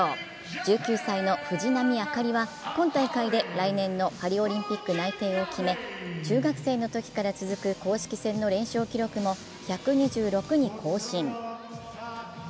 １９歳の藤波朱理は今大会で来年のパリオリンピック内定を決め中学生のときから続く公式戦の連勝記録も１２６に更新。